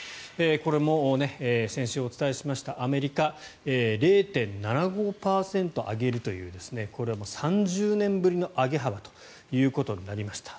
これも先週お伝えしましたアメリカ０．７５％上げるというこれも３０年ぶりの上げ幅ということになりました。